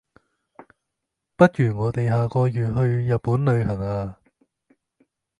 不如我地下個月去日本旅行呀